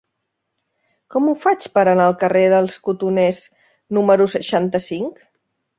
Com ho faig per anar al carrer dels Cotoners número seixanta-cinc?